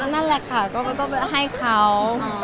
นั่นแหละค่ะคุณก็ให้เค้า